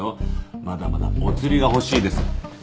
まだまだおつりが欲しいです。